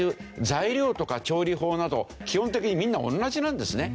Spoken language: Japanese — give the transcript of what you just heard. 材料とか調理法など基本的にみんな同じなんですね。